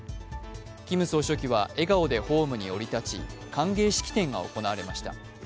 キム総書記は笑顔でホームに降り立ち歓迎式典が行われました。